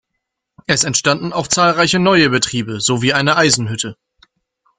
Es entstanden auch zahlreiche neue Betriebe sowie eine Eisenhütte.